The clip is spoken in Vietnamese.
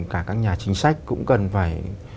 cả các nhà chính sách cũng cần phải